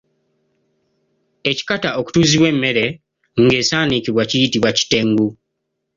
Ekikata okutuuzibwa emmere ng’esaanikibwa kiyitibwa kitengu.